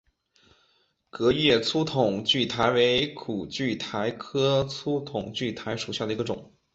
革叶粗筒苣苔为苦苣苔科粗筒苣苔属下的一个种。